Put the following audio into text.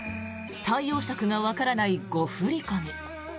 対応策がわからない誤振り込み。